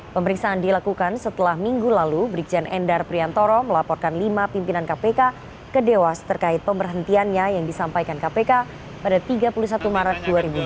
pemeriksaan dilakukan setelah minggu lalu brikzen endar priantoro melaporkan lima pimpinan kpk kedewas terkait pemberhentiannya yang disampaikan kpk pada tiga puluh satu maret dua ribu dua puluh tiga